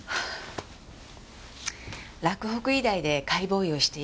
洛北医大で解剖医をしている風